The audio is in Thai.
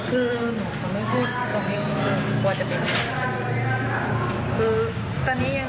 เราเสียใจค่ะ